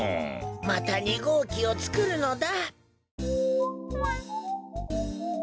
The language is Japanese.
また２ごうきをつくるのだ。